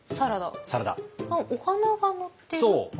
お花が載ってる？